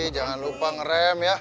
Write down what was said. jangan lupa ngerem ya